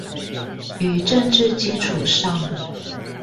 與政治基礎上